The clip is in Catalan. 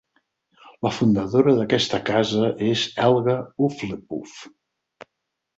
La fundadora d'aquesta casa és Helga Hufflepuff.